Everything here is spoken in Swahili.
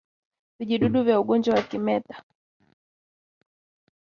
Vijidudu vya ugonjwa wa kimeta